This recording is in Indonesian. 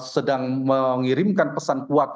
sedang mengirimkan pesan kuat